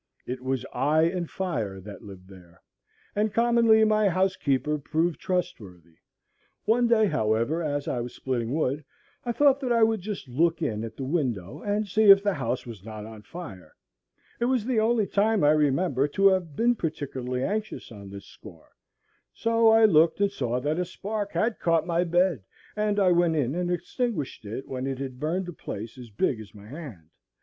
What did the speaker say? It was I and Fire that lived there; and commonly my housekeeper proved trustworthy. One day, however, as I was splitting wood, I thought that I would just look in at the window and see if the house was not on fire; it was the only time I remember to have been particularly anxious on this score; so I looked and saw that a spark had caught my bed, and I went in and extinguished it when it had burned a place as big as my hand.